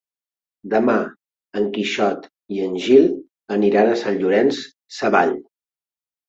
Demà en Quixot i en Gil aniran a Sant Llorenç Savall.